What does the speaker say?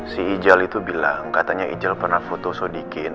si ijal itu bilang katanya ijal pernah foto sodikin